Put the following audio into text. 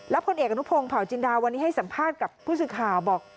พลเอกอนุพงศ์เผาจินดาวันนี้ให้สัมภาษณ์กับผู้สื่อข่าวบอก